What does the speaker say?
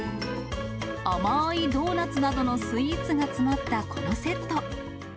甘ーいドーナツなどのスイーツが詰まったこのセット。